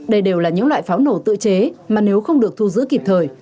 đây đều là những loại pháo nổ tự chế mà nếu không được thu giữ kịp thời